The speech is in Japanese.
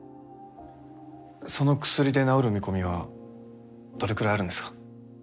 その薬で治る見込みはどれくらいあるんですか？